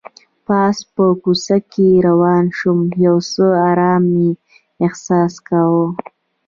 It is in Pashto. پاس په کوڅه کې روان شوم، یو څه ارام مې احساس کاوه.